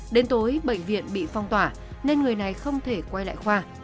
đến tối bệnh viện bị phong tỏa nên người này không thể quay lại khoa